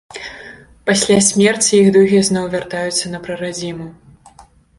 Пасля смерці іх духі зноў вяртаюцца на прарадзіму.